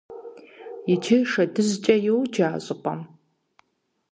Иджы «ШэдыжькӀэ» йоджэ а щӏыпӏэм.